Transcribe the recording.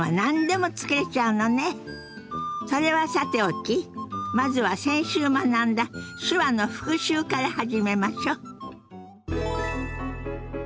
それはさておきまずは先週学んだ手話の復習から始めましょ。